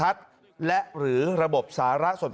คุณสิริกัญญาบอกว่า๖๔เสียง